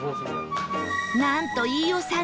なんと飯尾さん